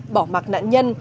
bỏ mặt nạn nhân